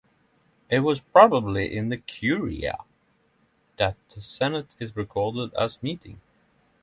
It was probably in the curia that the senate is recorded as meeting.